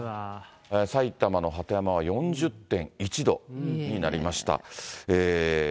埼玉の鳩山、４０．１度になりました。